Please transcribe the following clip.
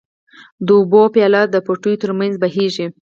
د اوبو وياله د پټيو تر منځ بهيږي.